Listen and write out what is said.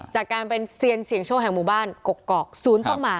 จากการเป็นเซียนเซียงโชว์แห่งหมู่บ้านกกกกกก๐ต้องมา